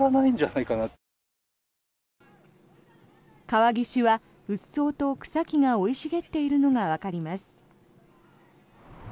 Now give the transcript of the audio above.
川岸はうっそうと草木が生い茂っているのがわかります。